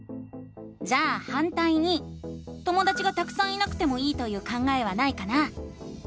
じゃあ「反対に」ともだちがたくさんいなくてもいいという考えはないかな？